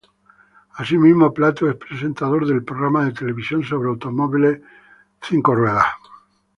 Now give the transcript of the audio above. Asimismo, Plato es presentador del programa de televisión sobre automóviles Fifth Gear.